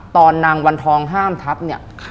ตอนนางวันทองห้ามทับเนี่ย